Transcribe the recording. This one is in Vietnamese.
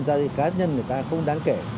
giá trị cá nhân người ta không đáng kể